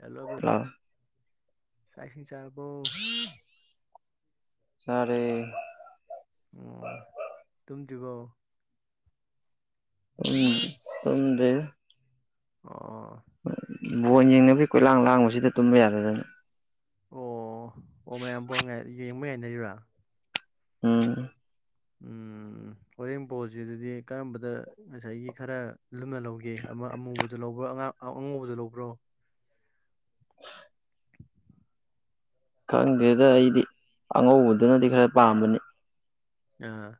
Hello ꯆꯥꯛ UNINTELLIGIBLE ꯆꯥꯛ ꯏꯁꯤꯡ ꯆꯥꯔꯕꯣ ꯆꯔꯦ ꯑꯣ ꯇꯨꯝꯗ꯭ꯔꯤꯕꯣ ꯎꯝ ꯇꯨꯝꯗꯤꯔꯗꯥ ꯑꯣ ꯕꯣꯟ ꯍꯧꯖꯤꯛ ꯌꯦꯡꯅꯕꯒꯤ ꯀꯣꯏꯂꯥꯡ ꯂꯥꯡꯕꯁꯤꯗ ꯇꯨꯝꯕ ꯌꯥꯗꯗꯅ ꯑꯣ ꯑꯣ ꯃꯌꯥꯝ ꯄꯣ ꯌꯦꯡꯕ ꯌꯥꯏꯅꯔꯤꯕꯔꯥ ꯎꯝ ꯎ ꯑꯣꯔꯦꯡꯕꯣꯜꯁꯤꯗꯗꯤ ꯀꯔꯝꯕꯗ ꯉꯁꯥꯏꯒꯤ ꯈꯔ ꯂꯨꯝꯅ ꯂꯧꯒꯦ ꯑꯃ ꯑꯃꯨꯕꯗ ꯂꯧꯕ꯭ꯔꯣ ꯑꯉꯥꯡ ꯑ ꯑꯉꯧꯕꯗ ꯂꯧꯕ꯭ꯔꯣ ꯈꯪꯗꯦꯗ ꯑꯩꯗꯤ ꯑꯉꯧꯕꯗꯨꯅꯗꯤ ꯈꯔ ꯄꯥꯝꯕꯅꯤ ꯑꯥ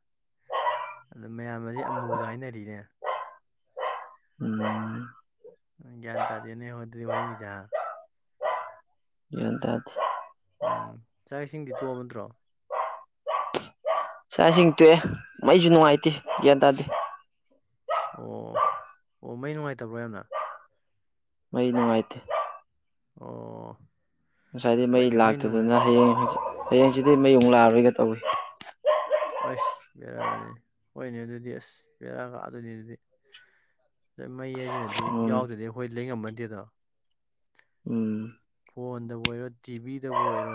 ꯑꯗ ꯃꯌꯥꯝꯅꯗꯤ ꯑꯃꯨꯗ ꯍꯥꯏꯅꯔꯤꯅꯦ ꯎꯝ ꯒꯤꯌꯥꯟ ꯇꯥꯗꯦꯅꯦ ꯑꯗꯨꯗꯤ ꯍꯣꯔꯦꯟꯒꯤꯁꯦ ꯍꯥ ꯒꯤꯌꯥꯟ ꯇꯥꯗꯦ ꯎꯝ ꯆꯥꯛ ꯏꯁꯤꯡꯗꯤ ꯇꯣꯛꯑꯕ ꯅꯠꯇ꯭ꯔꯣ ꯆꯥꯛ ꯏꯁꯤꯡ ꯇꯣꯛꯑꯦ ꯃꯩꯁꯨ ꯅꯨꯡꯉꯥꯏꯇꯦ ꯒ꯭ꯌꯥꯟ ꯇꯥꯗꯦ ꯑꯣ ꯑꯣ ꯃꯩ ꯅꯨꯡꯉꯥꯏꯇꯕ꯭ꯔꯣ ꯌꯥꯝꯅ ꯃꯩ ꯅꯨꯡꯉꯥꯏꯇꯦ ꯑꯣ ꯉꯁꯥꯏꯗꯩ ꯃꯩ ꯍꯣꯏꯅꯦ ꯅꯨꯡꯉꯥꯏ ꯂꯥꯛꯇꯗꯅ ꯍꯌꯦꯡ ꯍꯪꯆꯤ ꯍꯌꯦꯡꯆꯤꯠꯇꯩ ꯃꯩ ꯃꯃꯨꯛ ꯂꯥꯛꯑꯔꯣꯏꯒ ꯇꯧꯏꯤ ꯑꯣꯏꯁ ꯕꯦꯔꯥꯅꯤ ꯍꯣꯏꯅꯦ ꯑꯗꯨꯗꯤ ꯑꯁ ꯕꯦꯔꯥꯥ ꯑꯗꯨꯣꯏꯅꯤ ꯑꯗꯨꯗꯤ ꯃꯩ ꯍꯥꯏꯁꯤꯅꯗꯤ ꯎꯝ ꯌꯥꯎꯗ꯭ꯔꯗꯤ ꯑꯩꯈꯣꯏ ꯂꯩꯉꯝꯃꯟꯗꯦꯗ ꯎꯝ ꯐꯣꯟꯗꯕꯨ ꯑꯣꯏꯔꯣ ꯇꯤꯚꯤꯗꯕꯨ ꯑꯣꯏꯔꯣ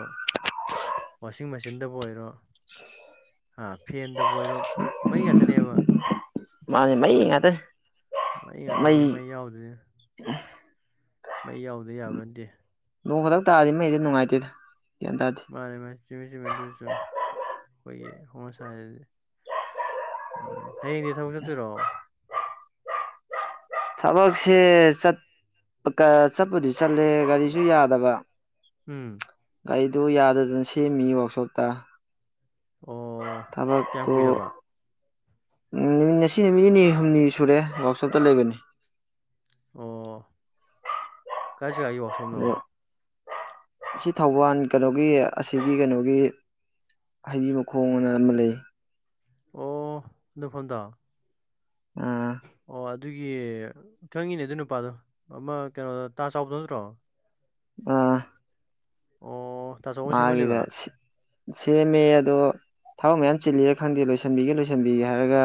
ꯋꯥꯁꯤꯡ ꯃꯦꯆꯤꯟꯗꯕꯨ ꯑꯣꯏꯔꯣ ꯍꯥ ꯐꯦꯟꯗꯕꯨ ꯑꯣꯏꯔꯣ ꯐꯨ ꯃꯩ ꯉꯥꯛꯇꯅꯦꯕ ꯃꯥꯅꯦ ꯃꯩ ꯉꯥꯛꯇꯅꯦ ꯃꯩ ꯉꯥꯛꯇꯅꯦ ꯃꯩ ꯌꯥꯎꯗ꯭ꯣꯏꯅꯦ ꯃꯩ ꯌꯥꯎꯗꯗꯤ ꯌꯥꯕ ꯅꯠꯇꯦ ꯅꯣꯡ ꯈꯛꯇꯛ ꯇꯥꯔꯗꯤ ꯃꯩꯍꯦꯛꯇ ꯅꯨꯡꯉꯥꯏꯇꯦꯗ ꯒꯌꯥꯟ ꯇꯥꯗꯦ ꯃꯥꯅꯤ ꯃꯥꯅꯤ ꯆꯨꯝꯃꯤ ꯆꯨꯝꯃꯤ ꯑꯗꯨꯁꯨ ꯆꯨꯝꯃꯤ ꯑꯩꯈꯣꯏ ꯒꯤ ꯍꯧꯅꯁꯥꯅꯤ ꯑꯗꯨꯗꯤ ꯎꯝ ꯍꯌꯦꯡꯗꯤ ꯊꯕꯛ ꯆꯠꯇꯣꯏꯔꯣ ꯊꯕꯛꯁꯦ ꯆꯠ ꯀ ꯆꯠꯄꯨꯗꯤ ꯆꯠꯂꯦ ꯒꯥꯔꯤꯁꯨ ꯌꯥꯗꯕ ꯎꯝ ꯒꯥꯔꯤꯗꯨ ꯌꯥꯗꯗꯅ ꯁꯦꯝꯃꯤ ꯋꯥꯛꯁꯣꯞꯇ ꯑꯣ ꯀꯌꯥꯝ ꯊꯕꯛꯛꯇꯨ ꯀꯨꯏꯔꯕ ꯅꯨꯠ ꯉꯁꯤ ꯅꯨꯃꯤꯠ ꯅꯤꯅꯤ ꯍꯨꯝꯅꯤ ꯁꯨꯔꯦ ꯋꯥꯛꯁꯣꯞꯇ ꯂꯩꯕꯅꯤ ꯑꯣ ꯀꯥꯏ ꯖꯒꯥꯒꯤ ꯋꯥꯛꯁꯣꯞꯅꯣ ꯑꯗꯣ ꯁꯤ ꯊꯧꯕꯥꯜ ꯀꯩꯅꯣꯒꯤ ꯑꯁꯤꯒꯤ ꯀꯩꯅꯣꯒꯤ ꯍꯩꯕꯤꯃ ꯈꯣꯡ ꯑꯅ ꯑꯃ ꯂꯩ ꯑꯣ ꯅꯣꯐꯣꯟꯗꯣ ꯑꯝ ꯑꯗꯨꯒꯤ ꯈꯪꯉꯤꯅꯦ ꯑꯗꯨ ꯅꯨꯄꯥꯗꯣ ꯑꯃ ꯀꯩꯅꯣꯗ ꯇꯥ ꯆꯥꯎꯕꯗꯣ ꯅꯠꯇ꯭ꯔꯣ ꯑ ꯑꯣ ꯇꯥ ꯆꯥꯎꯕꯅ ꯁꯦꯝꯍꯜꯂꯤꯕ ꯃꯥꯒꯤꯗ ꯁꯦꯝꯃꯦ ꯑꯗꯣ ꯊꯕꯛ ꯃꯌꯥꯝ ꯆꯤꯜꯂꯤꯔ ꯈꯪꯗꯦ ꯂꯣꯏꯁꯟꯕꯤꯒꯦ ꯂꯣꯏꯁꯟꯕꯤꯒꯦ ꯍꯥꯏꯔꯒ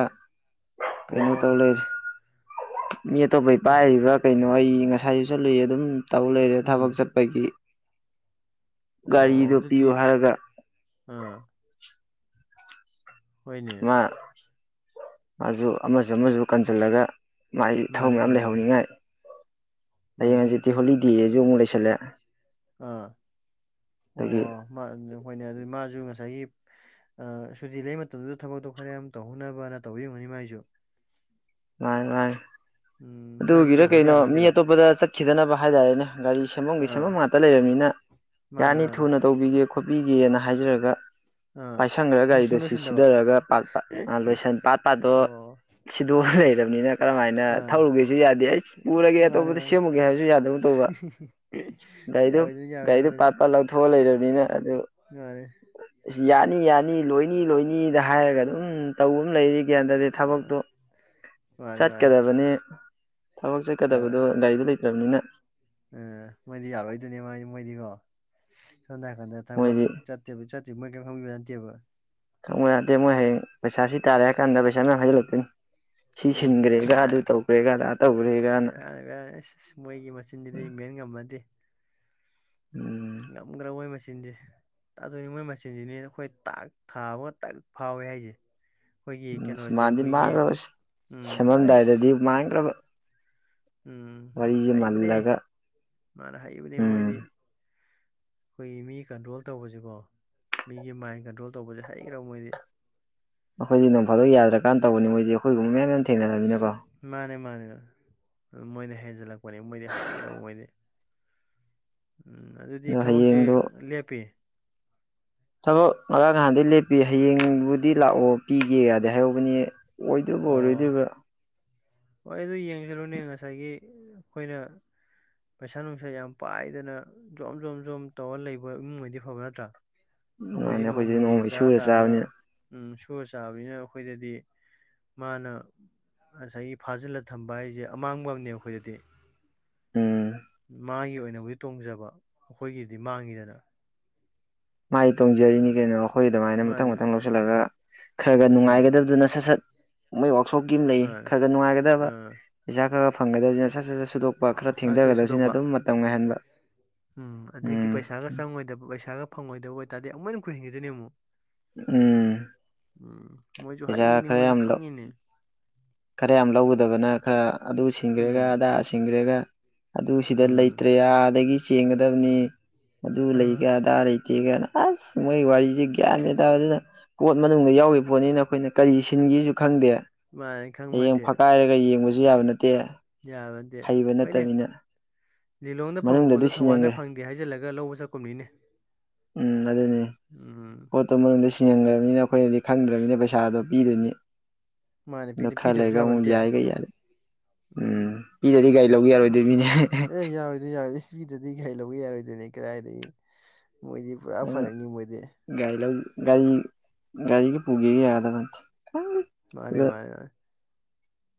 ꯀꯩꯅꯣ ꯑꯣ ꯇꯧ ꯂꯩꯔ ꯃꯤ ꯑꯇꯣꯞꯄꯩ ꯄꯥꯏꯔꯤꯕ꯭ꯔꯥ ꯀꯩꯅꯣ ꯑꯩ ꯉꯁꯥꯏꯁꯨ ꯆꯠꯂꯨꯏ ꯑꯗꯨꯝ ꯇꯧ ꯂꯩꯔꯦ ꯊꯕꯛ ꯎꯝ ꯆꯠꯄꯒꯤ ꯑꯣ ꯒꯥꯔꯤꯗꯣ ꯑꯗꯨꯗꯤ ꯄꯤꯌꯨ ꯍꯥꯏꯔꯒ ꯑꯥ ꯍꯣꯏꯅꯦ ꯃꯥ ꯑꯁꯨ ꯑꯃꯁꯨ ꯑꯃꯁꯨ ꯀꯟꯁꯤꯜꯂꯒ ꯃꯥꯏ ꯃꯥꯅꯦ ꯊꯧꯔꯝ ꯌꯥꯝ ꯃꯥꯅꯦ ꯂꯩꯍꯧꯅꯤꯡꯉꯥꯏ ꯃꯥꯅꯦ ꯍꯌꯦꯡ ꯆꯨꯝꯃꯤ ꯍꯧꯖꯤꯛꯇꯤ ꯆꯨꯝꯃꯤ ꯍꯣꯂꯤꯗꯦꯁꯨ ꯑꯃꯨꯛ ꯂꯩꯁꯜꯂꯦ ꯑꯥ ꯑꯣ ꯑꯗꯒꯤ ꯍꯈꯣꯏꯅꯦ ꯑꯗꯨ ꯃꯥꯁꯨ ꯉꯁꯥꯏꯒꯤ ꯑ ꯁꯨꯇꯤ ꯂꯩ ꯃꯇꯝꯗꯨꯗ ꯊꯕꯛꯇꯣ ꯈꯔ ꯌꯥꯝ ꯇꯧꯍꯧꯅꯕꯅ ꯇꯧꯕꯤꯔꯝꯒꯅꯤ ꯃꯥꯏꯁꯨ ꯥꯃꯥꯏ ꯃꯥꯥꯏ ꯎꯝ ꯃꯥꯏꯁꯨ ꯑꯗꯨꯒꯤꯔ ꯌꯦꯡꯍꯧꯗ ꯀꯩꯅꯣ ꯌꯥꯕ ꯃꯤ ꯅꯠꯇꯦꯗꯣ ꯑꯇꯣꯞꯄꯗ ꯆꯥꯠ ꯈꯤꯗꯅꯕ ꯍꯥꯏꯇꯥꯔꯦꯅꯦ ꯒꯥꯔꯤ ꯁꯦꯝꯐꯝꯝꯒꯤ ꯁꯦꯝꯃꯝ ꯑꯥ ꯉꯥꯛꯇ ꯂꯩꯔꯕꯅꯤꯅ ꯃꯥꯅꯦ ꯌꯥꯅꯤ ꯃꯥꯅꯦ ꯊꯨꯅ ꯇꯧꯕꯤꯒꯦ ꯈꯣꯠꯄꯤꯒꯦꯅ ꯍꯥꯏꯖꯔꯒ ꯑꯥ ꯄꯥꯏꯁꯪꯈ꯭ꯔ ꯁꯨꯡ ꯒꯥꯔꯤꯗꯨꯣ ꯁꯤ ꯂꯣꯏꯁꯟꯗꯕ ꯁꯤꯗꯔꯒ ꯄꯥꯛ ꯂꯣꯏꯁ ꯄꯥꯠ ꯄꯥꯠꯇꯣ ꯑꯣ ꯁꯤꯗꯣ ꯂꯩꯔꯕꯅꯤꯅ ꯀꯔꯝꯍꯥꯏꯅ ꯑꯥ ꯊꯧꯔꯨꯒꯦꯁꯨ ꯌꯥꯗꯦ ꯑꯩ ꯄꯨꯔꯒꯦ ꯃꯥꯅꯦ ꯑꯇꯣꯞꯄꯗ ꯃꯥꯅꯦ ꯁꯦꯝꯃꯨꯒꯦ ꯍꯥꯏꯕꯁꯨ ꯌꯥꯗꯕ ꯇꯧꯕ ꯒꯥꯔꯤꯗꯨ ꯌꯥꯔꯣꯏꯗꯣꯏꯅꯤ ꯒꯥꯔꯤꯗꯨ ꯄꯥꯠ ꯄ ꯂꯧꯊꯣꯛꯑ ꯂꯩꯔꯕꯅꯤꯅ ꯑꯗꯨ ꯌꯥꯔꯦ ꯑꯁ ꯌꯥꯅꯤ ꯌꯥꯅꯤ ꯂꯣꯏꯅꯤ ꯂꯣꯏꯅꯤꯗ ꯍꯥꯏꯔꯒ ꯑꯗꯨꯝ ꯇꯧꯕ ꯑꯃ ꯂꯩꯔꯤ ꯒ꯭ꯌꯥꯟ ꯇꯥꯗꯦ ꯑꯣ ꯊꯕꯛꯇꯣ ꯃꯥꯅꯤ ꯃꯥꯅꯤ ꯆꯠꯀꯗꯕꯅꯤ ꯊꯕꯛ ꯆꯠꯀꯗꯕꯗꯣ ꯒꯥꯔꯤꯗꯣ ꯂꯩꯇ꯭ꯔꯕꯅꯤꯅ ꯎꯝ ꯃꯣꯏꯗꯤ ꯌꯥꯔꯣꯏꯗꯣꯏꯅꯦ ꯃꯥ ꯃꯣꯏꯗꯤꯀꯣ ꯁꯣꯝꯗ ꯍꯥꯏꯅꯥꯀꯟꯗ ꯊꯕꯛ ꯃꯣꯏꯗꯤ ꯆꯠ ꯇꯕꯨ ꯆꯠꯤ ꯃꯣꯏ ꯀꯩꯝ ꯈꯪꯕꯤꯕ ꯅꯠꯇꯦꯕ ꯈꯪꯕ ꯖꯥꯠꯅꯠꯇꯦ ꯃꯣꯏ ꯍꯌꯦꯡ ꯄꯩꯁꯥ ꯁꯤ ꯇꯥꯔꯦ ꯍꯥꯏ ꯀꯥꯟꯗ ꯄꯩꯁꯥ ꯃꯌꯥꯝ ꯍꯩꯖꯤꯜꯂꯛꯇꯅꯤ ꯁꯤ ꯎꯝ ꯁꯤꯟꯈ꯭ꯔꯦꯒ ꯑꯗꯨ ꯕꯦꯔꯥꯅꯤ ꯇꯧꯈ꯭ꯔꯦꯒ ꯑꯗꯥ ꯇꯧꯈ꯭ꯔꯦꯒꯅ [unintelligible] ꯑꯁ ꯃꯣꯏꯒꯤ ꯃꯆꯤꯟꯁꯤꯗꯤ ꯃꯦꯟ ꯉꯝꯕꯟꯇꯦ ꯎꯝ ꯉꯝꯒ꯭ꯔ ꯃꯣꯏ ꯃꯆꯤꯟꯁꯤ꯫ ꯇꯥꯗꯣꯏꯅꯤ ꯃꯣꯏ ꯃꯁꯦꯟꯁꯤꯅꯦꯅ ꯑꯩꯈꯣꯏ ꯇꯥꯛ ꯊꯥꯕ ꯇꯛ ꯐꯥꯎꯋꯦ ꯍꯥꯏꯁꯦ꯫ ꯑꯩꯈꯣꯏꯒꯤ ꯀꯩꯅꯣꯁꯦ ꯃꯥꯟꯗꯤ ꯑꯩꯈꯣꯏꯒꯤ ꯃꯥꯡꯈ꯭ꯔꯕ ꯎꯝ ꯑꯩꯁ [unintelligible] ꯎꯝ ꯋꯥꯔꯤꯁꯦ ꯍꯩꯕꯅꯦ ꯃꯜꯂꯒ ꯃꯥꯅ ꯍꯩꯕꯅꯦ ꯃꯣꯏꯗꯤ ꯎꯝ ꯑꯩꯈꯣꯏꯒꯤ ꯃꯤ ꯀꯟꯇ꯭ꯔꯣꯜ ꯇꯧꯕꯁꯤꯀꯣ ꯃꯤꯒꯤ ꯃꯥꯏꯟ ꯀꯟꯇ꯭ꯔꯣꯜ ꯇꯧꯕꯁꯦ ꯍꯩꯈ꯭ꯔꯕ ꯃꯣꯏꯗꯤ꯫ ꯑꯩꯈꯣꯏꯗꯤ ꯅꯣꯡꯐꯥꯗꯣꯛ ꯌꯥꯗ꯭ꯔꯀꯥꯟ ꯇꯧꯕꯅꯤ ꯃꯣꯏꯗꯤ ꯑꯩꯈꯣꯏꯒꯨꯝ ꯃꯌꯥꯝꯌꯥꯝ ꯃꯥꯅꯦ ꯃꯥꯅꯦ ꯃꯣꯏꯅ ꯍꯦꯖ ꯂ ꯄꯣꯅꯦ ꯃꯣꯏꯗꯤ ꯍꯩꯒ꯭ꯔ ꯃꯣꯏꯗꯤ ꯎꯝ ꯑꯗꯣ ꯑꯗꯨꯗꯤ ꯊꯕꯛꯁꯦ ꯍꯌꯦꯡꯗꯣ ꯂꯦꯞꯄꯤ꯫ ꯊꯕꯛ ꯉꯔꯥꯡ ꯅꯍꯥꯟꯗꯩ ꯂꯦꯞꯄꯤ ꯍꯌꯦꯡꯕꯨꯗꯤ ꯂꯥꯛꯑꯣ ꯄꯤꯒꯦꯒꯥꯗꯤ ꯍꯥꯏꯍꯧꯕꯅꯤ ꯑꯣꯏꯗꯣꯏꯕ ꯑꯣ ꯑꯣꯏꯔꯣꯏꯗꯔꯤꯕ ꯍꯣꯏ ꯑꯩ ꯑꯗꯨ ꯌꯦꯡꯁꯤꯜꯂꯨꯅꯦ ꯉꯁꯥꯏꯒꯤ ꯑꯩꯈꯣꯏꯅ ꯄꯩꯁꯥ ꯅꯨꯡꯁꯥ ꯌꯥꯝ ꯄꯥꯏꯗꯅ ꯖꯣꯝ ꯖꯣꯝ ꯖꯣꯝ ꯇꯧꯔ ꯂꯩꯕ ꯏꯃꯨꯡ ꯑꯣꯏꯗꯤ ꯐꯕ ꯅꯠꯇ꯭ꯔꯥ ꯑꯩꯈꯣꯏꯗꯤ ꯃꯥꯅꯦ ꯑꯩꯈꯣꯏꯁꯦ ꯅꯣꯡꯃꯒꯤ ꯅꯣꯡꯃꯩ ꯆꯔꯥ ꯁꯨꯔ ꯇꯥꯔꯒ ꯆꯥꯕꯅꯤꯅ ꯎꯝ ꯁꯨꯔ ꯆꯥꯕꯅꯤꯅ ꯑꯩꯈꯣꯏꯗꯗꯤ ꯃꯥꯅ ꯉꯁꯥꯏꯒꯤ ꯐꯥꯖꯤꯜꯂ ꯊꯝꯕ ꯍꯥꯏꯁꯦ ꯑꯃꯥꯡꯕ ꯑꯃꯅꯦ ꯑꯩꯈꯣꯏꯗꯗꯤ ꯎꯝ ꯃꯥꯒꯤ ꯑꯣꯏꯅꯕꯨꯗꯤ ꯇꯣꯡꯖꯕ ꯑꯩꯈꯣꯏꯒꯤꯗꯤ ꯃꯥꯡꯉꯤꯗꯅ ꯃꯥꯏ ꯇꯣꯡꯖꯔꯤꯅꯤ ꯎꯝ ꯀꯩꯅꯣ ꯑꯩꯈꯣꯏ ꯑꯗꯨꯃꯥꯏꯅ ꯃꯊꯪ ꯃꯥꯅꯦ ꯃꯊꯪ ꯂꯧꯁꯤꯜꯂꯒ ꯈꯔ ꯈꯔ ꯑꯗꯨꯅꯦ ꯅꯨꯡꯉꯥꯏꯒꯗꯕꯗꯨꯅ ꯁꯠ ꯁꯠ ꯃꯣꯏ ꯋꯥꯛꯁꯣꯞꯀꯤ ꯑꯃ ꯂꯩ ꯈꯔ ꯃꯥꯅꯦ ꯈꯔ ꯉꯥꯏꯗꯕ ꯑꯥ ꯄꯩꯁꯥ ꯈꯔ ꯐꯪꯒꯗꯕꯅꯤꯅ ꯁꯠ ꯁꯠ ꯁꯠ ꯁꯨꯗꯣꯛ ꯑꯆꯁꯨꯗꯧꯕ ꯎꯝ ꯑꯗꯨꯗꯒꯤ ꯄꯩꯁꯥꯒ ꯆꯪꯉꯣꯏꯗꯕ ꯄꯩꯁꯥꯒ ꯐꯪꯉꯣꯏꯗꯕ ꯑꯣꯏ ꯇꯥꯔꯗꯤ ꯑꯃꯨꯛ ꯍꯦꯟ ꯀꯨꯏꯍꯟꯈꯤꯗꯣꯏꯅꯦ ꯑꯃꯨꯛ ꯎꯝ ꯎꯝ ꯃꯣꯏꯁꯨ ꯄꯩꯁꯥ ꯍꯥꯏꯏꯅꯦ ꯈꯔ ꯃꯣꯏꯁꯨ ꯌꯥꯝ ꯂꯧ ꯈꯪꯉꯤꯅꯦ ꯈꯔ ꯌꯥꯝ ꯂꯧꯒꯗꯕꯅ ꯈꯔ ꯑꯗꯨ ꯁꯤꯡꯈ꯭ꯔꯦꯒ ꯎꯝ ꯑꯗꯥ ꯁꯤꯡꯈ꯭ꯔꯦꯒ ꯑꯗꯨ ꯁꯤꯗ ꯎꯝ ꯂꯩꯇ꯭ꯔꯦ ꯑꯗꯒꯤ ꯆꯦꯟꯒꯗꯕꯅꯤ ꯑꯗꯨ ꯂꯩꯒ ꯑꯥ ꯑꯗꯥ ꯂꯩ ꯀꯤꯒꯅ ꯑꯁ ꯃꯣꯏ ꯋꯥꯔꯤꯁꯦ ꯒ꯭ꯌꯥꯟꯃꯦꯟ ꯇꯥꯗꯦꯗ ꯄꯣꯠ ꯃꯅꯨꯡꯗ ꯌꯥꯎꯒꯤ ꯐꯨꯠꯕꯣꯜꯅꯤꯅ ꯑꯩꯈꯣꯏꯅ ꯀꯔꯤ ꯁꯤꯟꯒꯦꯁꯨ ꯈꯪꯗꯦ ꯃꯥꯥꯏ ꯍꯌꯦꯡ ꯐꯛꯀꯥꯏꯔꯒ ꯌꯦꯡꯕꯁꯨ ꯌꯥꯕ ꯅꯠꯇꯦ ꯌꯥꯕ ꯍꯩꯕ ꯅꯠꯇꯕꯅꯤꯅ ꯂꯤꯂꯣꯡꯗ ꯐꯪꯕ ꯃꯅꯨꯡꯗꯗꯤ ꯄꯣꯠꯇꯨ ꯊꯧꯕꯥꯟꯗ ꯁꯤꯟꯖꯟꯈ꯭ꯔꯦ ꯐꯪꯗꯦ ꯍꯥꯏꯖꯤꯜꯂꯒ ꯂꯧꯕ ꯆꯠꯀꯨꯝꯅꯤꯅꯦ꯫ ꯎꯝ꯫ ꯄꯣꯠꯇꯨ ꯃꯅꯨꯡꯗ ꯁꯤꯁꯤꯡꯍꯟꯈ꯭ꯔꯕꯅꯤꯅ ꯑꯩꯈꯣꯏꯅꯗꯤ ꯈꯪꯗ꯭ꯔꯕꯅꯤꯅ ꯄꯩꯁꯥꯗꯣ ꯄꯤꯗꯣꯏꯅꯤ꯫ ꯃꯥꯅꯦ ꯑꯗꯨ ꯄꯤꯗꯕꯁꯨ ꯈꯔꯂꯩꯔꯒ ꯌꯥꯕ ꯃꯨꯛ ꯅꯠꯇꯦ ꯌꯥꯏꯒ ꯌꯥꯗ꯫ ꯎꯝ ꯄꯤꯗꯗꯤ ꯒꯥꯔꯤ ꯂꯧꯕ ꯌꯥꯔꯣꯏꯗꯣꯏ ꯃꯤꯅꯦ꯫ ꯄꯤꯗꯗꯤ ꯒꯔꯤ ꯂꯧꯒꯦ ꯌꯥꯔꯣꯏꯗꯣꯏꯅꯦ ꯀꯔꯏꯗꯥꯒꯤ ꯃꯣꯏꯗꯤ ꯄꯨꯔꯥ ꯅꯪ ꯐꯔꯛꯅꯤ ꯃꯣꯏꯗꯤ꯫ ꯒꯥꯔꯤ ꯂꯧ ꯒꯥꯔꯤ ꯒꯥꯔꯤꯒ ꯄꯨꯒꯦꯒ ꯌꯥꯒꯗꯕ ꯅꯠꯇꯦ꯫ ꯃꯥꯅꯦ ꯑꯗ ꯃꯥꯅꯦ ꯃꯥꯅꯦ꯫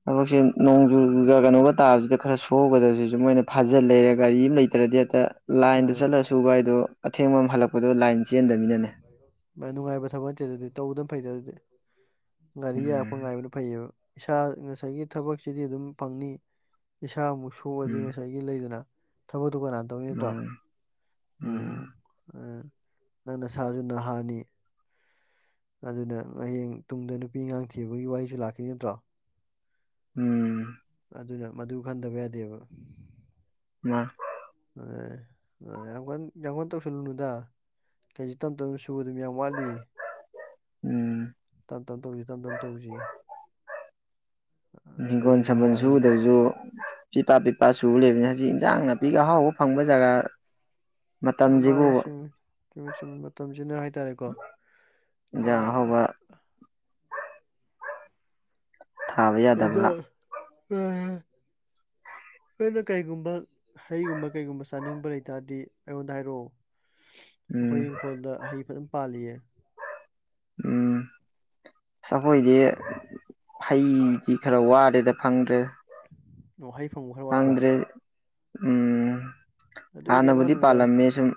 ꯊꯕꯛꯁꯦ ꯅꯣꯡꯖꯨꯨꯒ ꯀꯩꯅꯣꯒ ꯇꯥꯕꯁꯤꯗ ꯈꯔ ꯁꯨꯍꯧꯒꯗꯕꯁꯤꯁꯨ ꯃꯣꯏꯅ ꯐꯥꯖꯤꯜ ꯂꯩꯔꯦ ꯒꯥꯔꯤ ꯑꯃ ꯂꯩꯇ꯭ꯔꯗꯤ ꯍꯦꯛꯇ ꯂꯥꯏꯟꯗ ꯆꯠꯂꯁꯨ ꯁꯨꯒꯥꯏꯗꯣ ꯑꯊꯦꯡꯕ ꯑꯃ ꯍꯜꯂꯛꯄꯗꯣ ꯂꯥꯏꯟ ꯆꯦꯟꯗꯕꯅꯤꯅꯅꯦ ꯚꯥꯏ ꯅꯨꯡꯉꯥꯏꯕ ꯊꯕꯛ ꯅꯠꯇꯦ ꯑꯗꯨꯗꯤ ꯇꯧꯗꯝ ꯐꯩꯗ ꯑꯗꯨꯗꯤ ꯒꯥꯔꯤ ꯌꯥꯔꯛꯄ ꯎꯝ ꯉꯥꯏꯕꯅ ꯐꯩꯌꯦꯕ ꯏꯁꯥ ꯉꯁꯥꯏꯒꯤ ꯊꯕꯛꯁꯤꯗꯤ ꯑꯗꯨꯝ ꯐꯪꯅꯤ ꯏꯁꯥꯃꯨꯛ ꯁꯣꯛꯑꯗꯤ ꯎꯝ ꯉꯁꯥꯏꯒꯤ ꯑꯦ ꯂꯩꯗꯅ ꯊꯕꯛꯇꯣ ꯀꯅꯥꯅ ꯇꯧꯅꯤ ꯅꯠꯇ꯭ꯔꯣ ꯃꯥꯅꯤ ꯎꯝ ꯑ ꯅꯪ ꯅꯁꯥꯁꯨ ꯅꯍꯥꯅꯤ ꯑꯗꯨꯅ ꯍꯌꯦꯡ ꯇꯨꯡꯗ ꯅꯨꯄꯤ ꯑꯉꯥꯡ ꯊꯤꯕꯒꯤ ꯋꯥꯔꯤꯁꯨ ꯂꯥꯛꯈꯤꯅꯤ ꯅꯠꯇ꯭ꯔꯣ ꯎꯝ꯫ ꯑꯗꯨꯅ ꯃꯗꯨ ꯈꯟꯗꯕ ꯌꯥꯗꯦꯕ꯫ ꯃꯥ꯫ ꯑ ꯌꯥꯝ ꯀꯟ ꯌꯥꯝ ꯀꯥꯟ ꯇꯧꯁꯜꯂꯨꯅꯨꯗ ꯀꯧꯁꯨ ꯇꯝ ꯇꯝ ꯫ ꯁꯨꯒꯗꯨꯝ ꯌꯥꯝ ꯋꯥꯠꯂꯤ ꯎꯝ ꯇꯞ ꯇꯞ ꯇꯧꯁꯤ ꯇꯞ ꯇꯞ ꯇꯧꯁꯤ꯫ ꯎꯝ ꯍꯤꯡꯒꯣꯜ ꯑꯩꯈꯣꯏꯁꯨ ꯁꯝꯕꯜ ꯅꯍꯥꯅꯤ ꯁꯨꯗ꯭ꯔꯁꯨ꯫ ꯄꯤꯄꯥ ꯄꯤꯛꯄꯥ ꯁꯨ ꯂꯩꯕꯅꯤꯅ ꯍꯧꯖꯤꯛ ꯏꯟꯖꯥꯡ ꯅꯥꯄꯤꯒ ꯑꯍꯥꯎꯕ ꯐꯪꯕ ꯖꯒꯥ꯫ ꯑꯣ ꯃꯥꯅꯦ ꯃꯇꯝꯁꯤꯕꯨ ꯆꯨꯝꯃꯦ ꯆꯨꯝꯃꯦꯆꯨꯝ ꯃꯇꯝꯁꯤꯅ ꯍꯥꯏꯇꯥꯔꯦꯀꯣ ꯄꯨꯔꯥ꯫ ꯏꯟꯖꯥꯡ ꯑꯍꯥꯎꯕ ꯊꯥꯕ ꯌꯥꯗꯕ ꯑꯩꯅ ꯀꯩꯒꯨꯝꯕ꯫ ꯍꯩꯒꯨꯝꯕ ꯀꯩꯒꯨꯝꯕ ꯆꯥꯅꯤꯡꯕ ꯂꯩꯇꯥꯔꯗꯤ ꯑꯩꯉꯣꯟꯗ ꯍꯥꯏꯔꯛꯑꯣ꯫ ꯎꯝ ꯑꯩꯈꯣꯏ ꯏꯪꯈꯣꯜꯗ ꯍꯩ ꯐꯥꯅ ꯄꯥꯜꯂꯤꯌꯦ꯫ ꯎꯝ ꯑꯩꯈꯣꯏꯗꯤ꯫ ꯍꯩꯗꯤ ꯈꯔ ꯋꯥꯔꯦꯗ ꯐꯪꯗ꯭ꯔꯦ꯫ ꯑꯣꯍꯩ ꯐꯪꯕ [unintelligible] ꯍꯥꯡꯗ꯭ꯔꯦ ꯎꯝ ꯑꯗꯨꯒꯤ ꯀꯩꯝ ꯍꯥꯟꯅꯕꯨꯗꯤ ꯈꯜꯂꯨꯅꯨꯗ ꯄꯥꯜꯂꯝꯃꯦ ꯁꯨꯝ꯫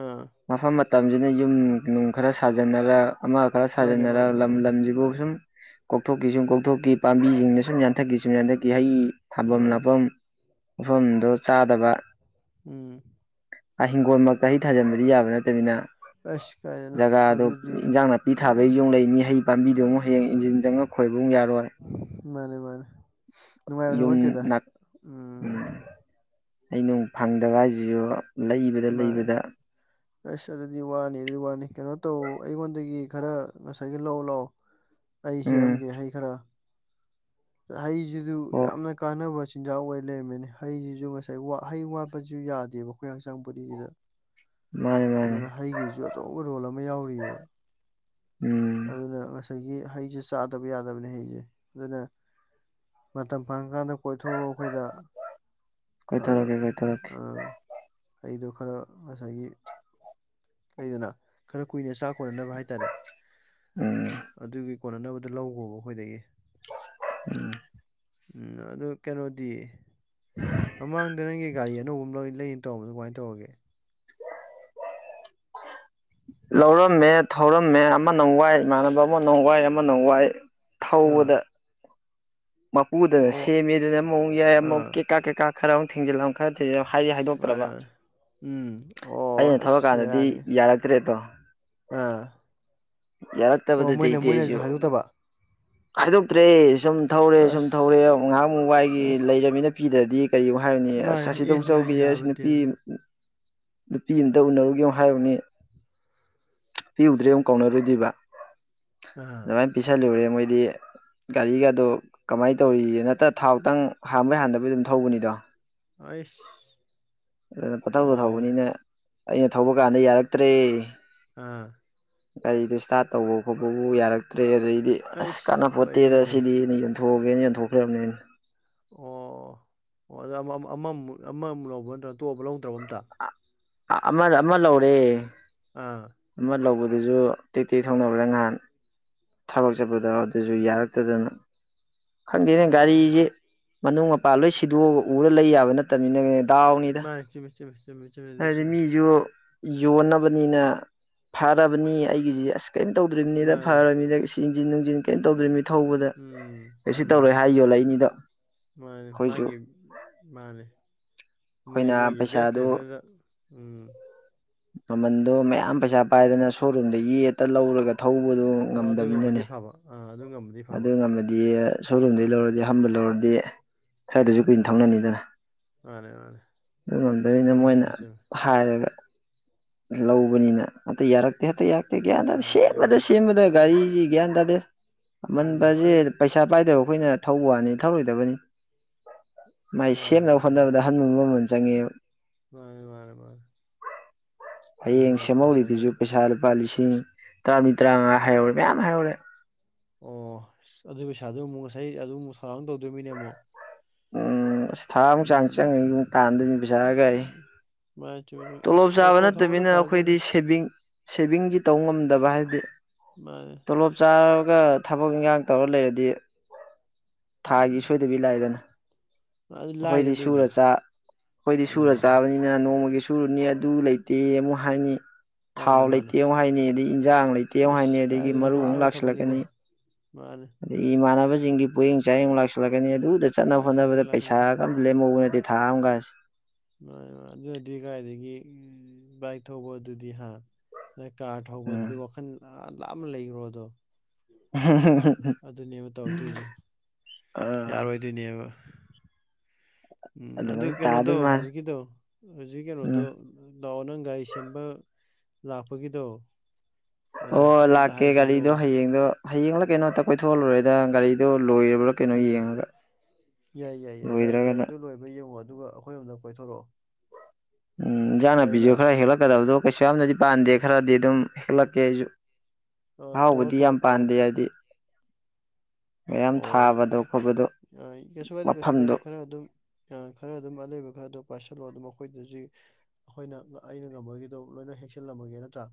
ꯑꯥ꯫ ꯃꯐꯝ ꯃꯇꯝꯁꯤꯅ ꯌꯨꯝ ꯅꯨꯡ ꯈꯔ ꯁꯥꯖꯟꯅꯔꯛ ꯑꯃꯛ꯫ ꯈꯔ ꯃꯥꯅꯦ ꯃꯥꯅꯦ ꯁꯥꯖꯟꯅꯔꯒ ꯂꯝ ꯃꯥꯅꯦ ꯂꯝꯁꯤꯕꯨ ꯃꯥꯅꯦ ꯁꯨꯝ꯫ ꯀꯣꯛꯊꯣꯛꯈꯤ ꯁꯨꯝ ꯀꯣꯛꯊꯣꯛꯈꯤ ꯄꯥꯝꯕꯤꯁꯤꯡꯅ ꯁꯨꯝ ꯌꯥꯟꯊꯛꯀꯤ ꯁꯨꯝ ꯌꯥꯟꯊꯛꯀꯤ ꯍꯩ ꯊꯥꯐꯝ ꯃꯥꯅꯦ ꯅꯥꯞꯐꯝ꯫ ꯃꯐꯝꯗꯨ ꯆꯥꯗꯕ꯫ ꯎꯝ꯫ ꯑꯥ ꯍꯤꯡꯒꯣꯜꯃꯛꯇ ꯍꯩ ꯊꯥꯖꯤꯟꯕꯗꯤ ꯌꯥꯕ ꯅꯠꯇꯃꯤꯅ꯫ ꯑꯁ ꯫ ꯖꯒꯥꯗꯣ ꯏꯟꯖꯥꯡ ꯅꯥꯄꯤ ꯊꯥꯕꯒꯤ ꯌꯣꯡ ꯂꯩꯅꯤ ꯍꯩ ꯄꯥꯝꯕꯤꯗꯨ ꯑꯃꯨꯛ ꯍꯌꯦꯡ ꯏꯟꯖꯤꯟ ꯆꯪꯉꯒ ꯈꯣꯏꯕ ꯑꯃꯨꯛ ꯌꯥꯔꯣꯏ꯫ ꯃꯥꯅꯦ ꯃꯥꯅꯦ ꯅꯨꯡꯉꯥꯏꯕ ꯌꯨꯝ ꯊꯕꯛ ꯅꯠꯇꯦꯗ ꯅꯥꯛ ꯎꯝ꯫ ꯍꯩꯅꯨꯡ ꯐꯪꯗꯕ ꯍꯥꯏꯁꯤꯁꯨ ꯂꯩꯕꯗ ꯃꯥꯅꯦ ꯂꯩꯕꯗ꯫ ꯑꯁ ꯑꯗꯨꯗꯤ ꯋꯥꯅꯤ ꯑꯗꯨꯗꯤ ꯋꯥꯅꯤ ꯀꯩꯅꯣ ꯇꯧ ꯑꯩꯉꯣꯟꯗꯒꯤ ꯈꯔ ꯉꯁꯥꯏꯒꯤ ꯂꯧ ꯂꯥꯛꯑꯣ꯫ ꯑꯩ ꯎꯝ ꯍꯦꯛꯑꯝꯒꯦ ꯍꯩ ꯈꯔ꯫ ꯍꯩꯁꯤꯁꯨ ꯑꯣ ꯌꯥꯝꯅ ꯀꯥꯟꯅꯕ ꯆꯤ ꯆꯤꯟꯖꯥꯛ ꯑꯣꯏ ꯂꯩꯔꯝꯃꯦꯅꯦ ꯍꯩꯁꯤꯁꯨ ꯉꯁꯥꯏ ꯋꯥ ꯍꯩ ꯋꯥꯠꯄꯁꯨ ꯌꯥꯗꯦꯕ ꯑꯩꯈꯣꯏ ꯍꯛꯆꯥꯡ ꯕꯣꯗꯥꯁꯤꯗ꯫ ꯃꯥꯅꯦ ꯃꯥꯅꯦ ꯑꯗꯨꯅ ꯍꯩꯒꯤꯁꯨ ꯑꯆꯧꯕ ꯔꯣꯜ ꯑꯃ ꯌꯥꯎꯔꯤꯑꯕ꯫ ꯎꯝ꯫ ꯑꯗꯨꯅ ꯉꯁꯥꯏꯒꯤ ꯍꯩꯁꯦ ꯆꯥꯗꯕ ꯌꯥꯗꯕꯅꯦ ꯍꯩꯁꯦ ꯑꯗꯨꯅ꯫ ꯃꯇꯝ ꯐꯪꯉꯀꯥꯟꯗ ꯀꯣꯏꯊꯣꯔꯎꯑꯣ ꯑꯩꯈꯣꯏꯗ ꯀꯣꯏꯊꯣꯔꯛꯀꯦ ꯑꯗꯣ ꯀꯣꯏꯊꯣꯔꯛꯀꯦ ꯑꯥ꯫ ꯑꯩꯗꯣ ꯈꯔ ꯉꯁꯥꯏꯒꯤ ꯑꯩꯗꯅ ꯈꯔ ꯀꯨꯏꯅ ꯆꯥꯛ ꯀꯣꯟꯅꯅꯕ ꯍꯥꯏꯇꯥꯔꯦ ꯎꯝ ꯑꯗꯨꯒꯤ ꯀꯣꯟꯅꯅꯕꯗꯨꯣ ꯂꯧꯈꯣꯕ ꯑꯩꯈꯣꯏꯗꯒꯤ ꯎꯝ ꯎꯝ ꯑꯗꯨ ꯀꯩꯅꯣꯗꯤ ꯃꯥꯡꯗ ꯅꯪ ꯒꯥꯔꯤ ꯑꯅꯧꯕꯨꯝ ꯂꯣꯏꯅ ꯂꯩꯅ ꯇꯧꯕꯝꯕꯣ ꯀꯃꯥꯏꯅ ꯇꯧꯔꯒꯦ ꯂꯧꯔꯝꯃꯦ ꯊꯧꯔꯝꯃꯦ ꯑꯃꯅꯪ ꯋꯥꯏ ꯏꯃꯥꯟꯅꯕ ꯑꯃꯅꯪ ꯋꯥꯏ ꯑꯃꯅꯪ ꯋꯥꯏ ꯑꯥ ꯊꯧꯕꯗ꯫ ꯃꯄꯨꯗ ꯑꯣ ꯁꯦꯝꯃꯤ ꯑꯗꯨꯅ ꯑꯃꯨꯛ ꯌꯥꯏ ꯑꯃꯨꯛ ꯑꯥ ꯀꯩꯀꯥ ꯀꯩꯀꯥ ꯈꯔ ꯑꯃꯨꯛ ꯊꯦꯡꯖꯤꯜꯂꯝ꯫ ꯈꯔ ꯊꯤ ꯍꯥꯏ ꯃꯥꯅꯦ ꯍꯥꯏꯗꯣꯛꯇ꯭ꯔꯕ꯫ ꯃꯥꯅꯦ ꯎꯝ ꯑꯣ ꯑꯩꯅ ꯑꯁ ꯊꯧꯔꯛꯀꯥꯟꯗꯗꯤ ꯕꯦꯔꯥꯅꯤ ꯌꯥꯔꯛꯇ꯭ꯔꯦꯗꯣ꯫ ꯑꯥ ꯑꯣ ꯃꯣꯏꯅꯦ ꯌꯥꯔꯛꯇꯕꯗꯨꯗꯩꯗꯤ ꯃꯣꯏꯅꯦꯁꯨ ꯍꯥꯏꯗꯣꯛꯇꯕ꯫ ꯈꯥꯏꯗꯣꯛꯇ꯭ꯔꯦ ꯁꯨꯝ ꯊꯧꯔꯦ ꯁꯨꯝ ꯊꯧꯔꯦ ꯑꯁ ꯑꯃꯨꯛ ꯉꯥꯏꯍꯥꯛ ꯃꯨ ꯋꯥꯏꯒꯤ ꯑꯁ ꯂꯩꯔꯕꯅꯤꯅ ꯄꯤꯗ꯭ꯔꯗꯤ꯫ ꯀꯩꯕꯨ ꯍꯥꯏꯔꯨꯅꯤ ꯑꯁ ꯃꯥꯅꯦ ꯑꯦ ꯑꯁꯤꯗꯕꯨ ꯅꯣꯏ ꯆꯧꯒꯦ ꯑꯁ ꯌꯥꯕ ꯅꯠꯇꯦ ꯅꯨꯄꯤ꯫ ꯅꯨꯄꯤ ꯑꯝꯇ ꯎꯅꯔꯨꯒꯦꯅ ꯍꯥꯏꯔꯨꯅꯤ꯫ ꯄꯤꯎꯨꯗ꯭ꯔꯦ ꯑꯃꯨꯛ ꯀꯥꯎꯅꯔꯨꯗ꯭ꯔꯤꯕ ꯑꯥ ꯑꯗꯨꯃꯥꯏꯅ ꯄꯤꯁꯜꯂꯨꯔꯦ ꯃꯣꯏꯗꯤ꯫ ꯒꯥꯔꯤꯒꯥꯗꯣ ꯀꯃꯥꯏꯅ ꯇꯧꯔꯤꯒꯦꯅꯇ ꯊꯥꯎꯇꯪ ꯍꯥꯟꯕꯣꯏ ꯍꯥꯟꯗꯕꯣꯏ ꯑꯗꯨꯝ ꯊꯧꯕꯅꯤꯗꯣ꯫ ꯑꯩꯁ꯫ ꯑꯗꯨꯅ ꯄꯊꯧꯊꯧꯗ ꯑꯣ ꯊꯧꯕꯅꯤꯅ ꯑꯩꯅ ꯊꯧꯕ ꯀꯥꯟꯗ ꯌꯥꯔꯛꯇ꯭ꯔꯦ꯫ ꯑꯥ ꯀꯔꯤꯗꯣ ꯏꯁꯇꯥꯔꯠ ꯇꯧꯕ ꯈꯣꯠꯄꯕꯨ ꯌꯥꯔꯛꯇ꯭ꯔꯦ ꯑꯗꯩꯗꯤ ꯑꯁ ꯑꯩꯁ ꯀꯥꯟꯅ ꯂꯣꯏꯔꯦ ꯐꯣꯠꯇꯦꯗ ꯑꯗꯨꯗꯤ ꯁꯤꯗꯤ ꯑꯩꯅ ꯌꯣꯟꯊꯣꯛꯑꯒꯦꯅ ꯌꯣꯟꯊꯣꯛꯈ꯭ꯔꯕꯅꯦ ꯑꯩꯅ ꯑꯣ ꯑꯣ ꯑꯗ ꯑꯃꯃ ꯑꯃꯃꯨꯛ ꯂꯧꯕ ꯅꯠꯇ꯭ꯔꯒ ꯇꯣꯛꯑꯕ ꯂꯧꯗꯕ ꯑꯝꯇ ꯑꯃꯗ ꯑꯃ ꯂꯧꯔꯦ ꯑꯥ ꯑꯃ ꯂꯧꯕꯗꯨꯁꯨ ꯇꯦꯛ ꯇꯦꯛ ꯊꯧꯅꯕꯗ ꯉꯍꯥꯟ ꯊꯕꯛ ꯆꯠꯄꯗ ꯑꯗꯨꯁꯨ ꯌꯥꯔꯛꯇꯗꯅ ꯈꯪꯗꯦꯅꯦ ꯑꯣ ꯒꯥꯔꯤꯖꯦ ꯃꯅꯨꯡ ꯃꯄꯥꯟ ꯂꯣꯏ ꯁꯤꯗꯣꯛꯑꯒ ꯎꯔ ꯂꯩ ꯌꯥꯕ ꯅꯠꯇꯕꯅꯤꯅ ꯃꯅꯦ ꯆꯨꯝꯃꯤ ꯆꯨꯝꯃꯤ [unintelligible] [unintelligible] ꯌꯣꯟꯅꯕꯅꯤꯅ ꯐꯔꯕꯅꯤ ꯑꯩꯒꯤꯁꯦ ꯑꯁ ꯀꯔꯤꯝ ꯇꯧꯗ꯭ꯔꯤꯕꯅꯤꯗ ꯃꯥꯅꯦ ꯐꯔꯕꯅꯤꯗ ꯆꯤꯡꯁꯤꯟ ꯅꯨꯡꯁꯤꯟ ꯀꯩꯅꯣ ꯇꯧꯗ꯭ꯔꯤ ꯃꯤ ꯊꯧꯕꯗ ꯎꯝ ꯀꯩꯁꯨ ꯎꯝ ꯇꯧꯔꯣꯏ ꯍꯥꯏ ꯌꯣꯜꯂꯛꯏꯅꯤꯗꯣ ꯃꯥꯅꯦ ꯑꯩꯈꯣꯏꯁꯨ ꯃꯥꯒꯤ ꯃꯥꯅꯦꯣꯏ ꯑꯩꯈꯣꯏꯅ ꯃꯣꯏꯒꯤ ꯕꯁ ꯄꯩꯁꯥꯗꯨ ꯂꯩꯐꯦꯗ [inaudible] ꯃꯃꯟꯗꯣ ꯃꯌꯥꯝ ꯄꯩꯁꯥ ꯄꯥꯏꯗꯅ ꯁꯣꯔꯨꯝꯗ ꯌꯦ ꯍꯦꯛꯇ ꯂꯧꯔꯒ ꯊꯧꯕꯗꯨ ꯑꯣ ꯑꯗꯨ ꯉꯝꯃꯗꯤ ꯉꯝꯗꯕꯅꯤꯅꯅꯦ ꯐꯕ ꯑꯥ ꯑꯗꯨ ꯉꯝꯃꯗꯤ ꯑꯗꯨ ꯐꯕ ꯉꯝꯃꯗꯤ ꯁꯣꯔꯨꯝꯗꯩ ꯑꯥ ꯂꯧꯔꯗꯤ ꯑꯥꯟꯕꯝꯕ ꯂꯧꯔꯗꯤ ꯈꯔꯗꯁꯨ ꯃꯥꯅꯦ ꯀꯨꯏꯅ ꯃꯥꯅꯦ ꯊꯪꯅꯅꯤꯗꯅ ꯃꯥꯅꯦ ꯃꯥꯅꯦ ꯑꯗꯨ ꯉꯝꯗꯕꯣꯏꯅ ꯆꯨꯝꯃꯦ ꯃꯣꯏꯅ ꯆꯨꯝꯃꯦ ꯆꯨꯝꯃꯦ ꯍꯥꯏꯒ ꯂꯧꯕꯅꯤꯅ ꯑꯇꯩ ꯌꯥꯔꯛꯇꯦ ꯑꯇꯩ ꯒ꯭ꯌꯥꯟ ꯇꯥꯗꯦ ꯌꯥꯗꯦꯕ ꯁꯦꯝꯃꯗ ꯁꯦꯝꯕꯗ ꯃꯥꯅꯦ ꯒꯥꯔꯤꯁꯤ ꯒ꯭ꯌꯥꯟ ꯇꯥꯗꯦ ꯎꯝ ꯁꯤ ꯑꯃꯟꯕꯁꯦ ꯄꯩꯁꯥ ꯄꯥꯏꯗꯕ ꯑꯩꯈꯣꯏꯅ ꯊꯧꯕ ꯋꯥꯅꯤ ꯊꯧꯔꯣꯏꯗꯕꯅꯤ ꯃꯥꯏ ꯃꯥꯅꯦ ꯁꯦꯝꯅꯕ ꯃꯥꯅꯦ ꯃꯥꯅꯦ ꯍꯣꯠꯅꯕꯗ ꯍꯟꯕ ꯃꯃꯜ ꯆꯪꯉꯦ ꯃꯥꯅꯦ ꯃꯥꯅꯦ ꯃꯥꯅꯦ ꯀꯩꯅꯣ ꯍꯌꯦꯡ ꯉꯁꯥꯏꯒꯤ ꯁꯦꯝꯍꯧꯔꯤꯗꯨꯁꯨ ꯄꯩꯁꯥ ꯂꯨꯄꯥ ꯂꯤꯁꯤꯡ ꯇꯔꯥ ꯇꯔꯥꯃꯉꯥ ꯍꯥꯏꯍꯧꯔꯦ ꯃꯌꯥꯝ ꯍꯥꯏꯍꯧꯔꯦ ꯑꯣ ꯑꯗꯨ ꯄꯩꯁꯥꯗꯨꯣ ꯑꯃꯨꯛ ꯉꯁꯥꯏ ꯑꯗꯨꯝꯨ ꯊꯧꯔꯥꯡꯅ ꯇꯧꯗꯣꯏꯅꯤꯅꯦ ꯑꯃꯨꯛ ꯎ ꯑꯁ ꯊꯥ ꯑꯃꯨꯛ ꯆꯥꯡ ꯎꯝ ꯆꯪꯉꯤ ꯑꯃꯨꯛ ꯇꯥꯟꯗꯣꯏꯅꯤ ꯄꯩꯁꯥꯑꯒ ꯑꯩ [unintelligible] ꯇꯣꯂꯣꯞ ꯆꯥꯕ ꯑꯣꯇꯣ ꯊꯧꯕꯅ ꯅꯠꯇꯕꯤꯅ ꯐꯔꯕꯖꯥꯠꯅꯤ ꯑꯩꯈꯣꯏꯗꯤ ꯁꯦꯚꯤꯡ ꯁꯦꯚꯤꯡꯒꯤ ꯇꯧꯕ ꯉꯝꯗꯕ ꯍꯥꯏꯕꯗꯤ ꯃꯥꯅꯦ ꯇꯣꯂꯣꯞ ꯆꯥꯔꯒ ꯊꯕꯛ ꯏꯟꯈꯥꯡ ꯇꯧꯔ ꯂꯩꯔꯗꯤ ꯊꯥꯒꯤ ꯎꯝ ꯁꯣꯏꯗꯕꯤ ꯂꯥꯛꯏꯗꯥꯅ ꯑꯗꯨ ꯂꯥꯏꯗ ꯑꯩꯈꯣꯏꯗꯤ ꯑꯗꯨꯏꯗꯤ ꯁꯨꯔꯥ ꯆꯥ ꯑꯩꯈꯣꯏꯗꯤ ꯁꯨꯔꯥ ꯎꯝ ꯆꯥꯕꯅꯤꯅ ꯑꯩꯅ ꯅꯣꯡꯃꯒꯤ ꯁꯨꯔꯨꯅꯤ ꯑꯗꯨ ꯂꯩꯇꯦ ꯑꯃꯨꯛ ꯍꯥꯏꯅꯤ ꯊꯥꯎ ꯃꯥꯅꯦ ꯃꯥꯅꯦ ꯂꯩꯇꯦ ꯑꯃꯨꯛ ꯍꯥꯏꯅꯤ ꯑꯗꯩ ꯏꯟꯖꯥꯡ ꯂꯩꯇꯦ ꯑꯃꯨꯛ ꯍꯥꯏꯅꯤ ꯏꯁ ꯑꯗꯥꯒꯤ ꯀꯥꯏꯗꯩꯅꯣ ꯃꯔꯨꯞ ꯑꯃꯨꯛ ꯋꯥꯒ꯭ꯔꯕ ꯊꯕꯛꯅꯤꯗ ꯂꯥꯛꯁꯤꯜꯂꯛꯀꯥꯅꯤ ꯃꯥꯅꯦ ꯑꯗꯩ ꯏꯃꯥꯟꯅꯕꯖꯤꯡꯒꯤ ꯄꯣꯌꯦꯡ ꯆꯥꯌꯦꯡ ꯂꯥꯛꯁꯤꯜꯂꯛꯀꯥꯅꯤ ꯑꯗꯨꯗꯥ ꯆꯠꯅꯕ ꯂꯥꯛꯁꯤꯜꯂꯛꯈ꯭ꯔꯦ ꯍꯣꯠꯅꯕꯗꯥ ꯂꯥꯛꯁꯤꯜꯂꯦ ꯄꯩꯁꯥꯒꯥ ꯑꯝ ꯃꯥꯅꯦ ꯂꯦꯝꯍꯧꯕ ꯅꯠꯇꯦ ꯊꯥꯝ ꯒꯥꯁꯦ ꯃꯥꯅꯦ ꯃꯥꯅꯦ ꯑꯗꯨꯅꯗꯤ ꯀꯥꯏꯗꯥꯒꯤ ꯕꯥꯏꯛ ꯊꯧꯕ ꯑꯗꯨꯗꯤ ꯍꯥꯥ ꯅꯣꯏ ꯀꯥꯔ ꯎꯝ ꯍꯧꯕꯗꯨꯗꯤ ꯋꯥꯈꯜ ꯂꯥꯞ ꯑꯃ ꯂꯩꯈ꯭ꯔꯣ ꯑꯗꯣ ꯑꯗꯨꯅꯦꯕ ꯇꯧꯗꯣꯏꯁꯦ ꯑꯥ ꯌꯥꯔꯣꯏꯗꯣꯏꯅꯦꯕ ꯎꯝ ꯑꯗꯨ ꯑꯗꯨꯃꯥꯏꯅ ꯀꯩꯅꯣꯗꯣ ꯇꯥꯗꯣꯏ ꯃꯥꯜꯂꯦ ꯍꯧꯖꯤꯛꯀꯤꯗꯣ ꯍꯧꯖꯤꯛꯀꯤ ꯎꯝ ꯀꯩꯅꯣꯗꯣ ꯂꯑꯣ ꯅꯪꯒꯥꯔꯤ ꯁꯦꯝꯕ ꯂꯥꯛꯄꯒꯤꯗꯣ ꯑꯣ ꯑꯗ ꯑꯩꯈꯣꯏꯔꯣꯝꯗ ꯂꯥꯛꯀꯦ ꯒꯥꯔꯤꯗꯣ ꯍꯥꯏꯖꯤꯜꯂꯣ ꯍꯌꯦꯡꯗꯣ ꯍꯌꯦꯡꯂ ꯀꯩꯅꯣꯝꯇ ꯀꯣꯏꯊꯣꯛꯜꯂꯨꯔꯦꯗ ꯒꯥꯔꯤꯗꯣ ꯂꯣꯏꯔꯕ꯭ꯔꯥ ꯀꯩꯅꯣ ꯎꯝ ꯌꯦꯡꯉꯒ ꯌꯥꯏ ꯌꯥꯏ ꯌꯥꯏ ꯂꯥꯛ ꯂꯣꯏꯗ꯭ꯔꯒꯅ ꯌꯥꯏꯗꯣ ꯂꯣꯏꯕ ꯌꯦꯡꯉꯣ ꯑꯗꯨꯒ ꯑꯩꯈꯣꯏꯔꯣꯝꯗꯪ ꯀꯣꯏꯊꯣꯔꯛꯑꯣ ꯎꯝ ꯏꯟꯖꯥꯡ ꯌꯥꯏꯅ ꯅꯥꯄꯤꯖꯨ ꯈꯔ ꯍꯦꯛꯂꯛꯀꯗꯕꯗꯣ ꯀꯩꯁꯨ ꯌꯥꯝꯅꯗꯤ ꯄꯥꯟꯗꯦ ꯈꯔꯗꯤ ꯑꯗꯨꯝ ꯍꯦꯛꯂꯛꯀꯦ ꯑꯩꯁꯨ ꯑꯥ ꯇꯧꯔꯣ ꯑꯍꯥꯎꯕꯗꯤ ꯇꯧꯔꯣ ꯌꯥꯝ ꯇꯧꯔꯣ ꯄꯥꯟꯗꯦ ꯍꯥꯏꯗꯤ ꯃꯌꯥꯝ ꯊꯥꯕꯗꯣ ꯈꯣꯠꯄꯗꯣ ꯑꯣ ꯀꯩꯁꯨ ꯀꯥꯏꯗꯦ ꯀꯩꯁꯨ ꯃꯐꯝꯗꯣ ꯀꯥꯏꯗꯦ ꯈꯔ ꯑꯗꯨꯝ ꯈꯔ ꯑꯗꯨꯝ ꯑꯂꯩꯕ ꯈꯔꯗꯣ ꯄꯥꯏꯁꯤꯜꯂꯣ ꯑꯗꯨ ꯃꯈꯣꯏꯗꯥꯖꯤ ꯑꯩꯈꯣꯏꯅ ꯑꯩꯅ ꯉꯝꯕꯒꯤꯗꯣ ꯂꯣꯏꯅ ꯍꯦꯛꯁꯜꯂꯝꯃꯒꯦ ꯅꯠꯇ꯭ꯔꯥ